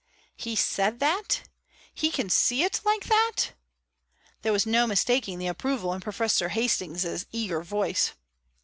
'" "He said that? He can see it like that?" there was no mistaking the approval in Professor Hastings' eager voice.